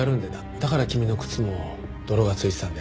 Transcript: だから君の靴も泥が付いてたんだよね。